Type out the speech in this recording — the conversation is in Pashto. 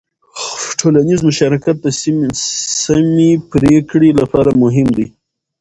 ټولنیز مشارکت د سمې پرېکړې لپاره مهم دی.